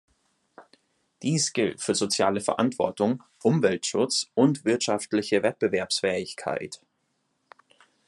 Dies gilt für soziale Verantwortung, Umweltschutz und wirtschaftliche Wettbewerbsfähigkeit.